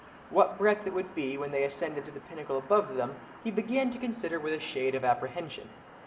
What breadth it would be, when they ascended to the pinnacle above them, he began to consider with a shade of apprehension.